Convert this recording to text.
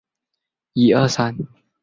殿试登进士第三甲第一百零九名。